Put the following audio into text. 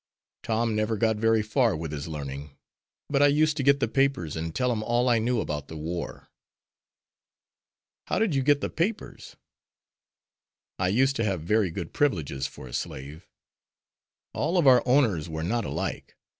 Tom never got very far with his learning, but I used to get the papers and tell him all I knew about the war." "How did you get the papers?" "I used to have very good privileges for a slave. All of our owners were not alike.